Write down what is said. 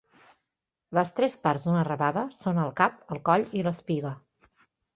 Les tres parts d'una rebava són el cap, el coll i l'espiga.